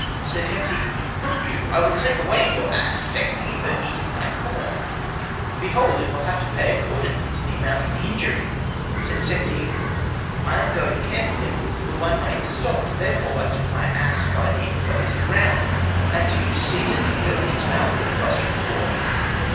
Said Hemti, "Look you, I shall take away your ass, Sekhti, for eating my corn; behold it will have to pay according to the amount of the injury." Said Sekhti, "I am going carefully; the one way is stopped, therefore took I my ass by the enclosed ground, and do you seize it for filling its mouth with a cluster of corn?